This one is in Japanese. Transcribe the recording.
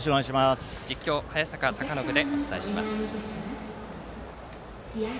実況、早坂隆信でお伝えします。